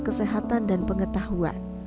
kesehatan dan pengetahuan